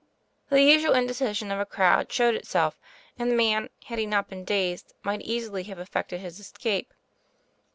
The usual indecision of a crowd showed it self; and the man, had he not been dazed, might easily have effected his escape.